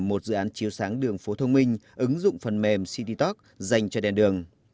một dự án chiếu sáng đường phố thông minh ứng dụng phần mềm cdc dành cho đèn đường